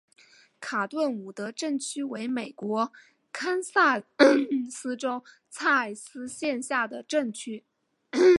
卡顿伍德镇区为美国堪萨斯州蔡斯县辖下的镇区。